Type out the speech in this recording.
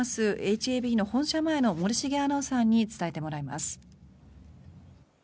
ＨＡＢの本社前の森重アナウンサーに伝えてもらいます。